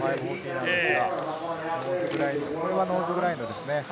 これはノーズグラインド。